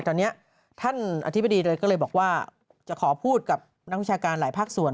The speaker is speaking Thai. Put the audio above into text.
ตอนนี้ท่านอธิบดีเลยก็เลยบอกว่าจะขอพูดกับนักวิชาการหลายภาคส่วน